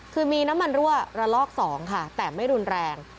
คือมีน้ำมันรั่วระลอก๒ค่ะแต่ไม่รุนแรง